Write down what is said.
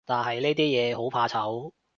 但係呢啲嘢，好怕醜